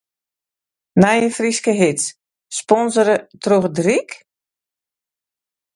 Nije Fryske hits, sponsore troch it Ryk?